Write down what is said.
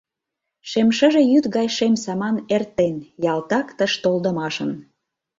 Шем шыже йӱд гай шем саман Эртен, ялтак тыш толдымашын.